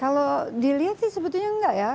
kalau dilihat sih sebetulnya enggak ya